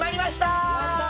やった！